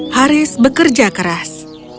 haris bekerja keras